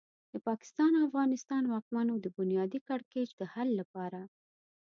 د پاکستان او افغانستان واکمنو د بنیادي کړکېچ د حل لپاره.